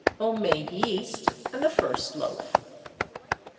1 HOME MADE YEAST AND THE FIRST LOAF.